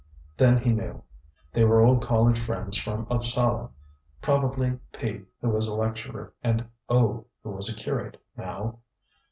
ŌĆØ ŌĆ£Then he knew; they were old college friends from Upsala, probably P. who was a lecturer, and O. who was a curate, now.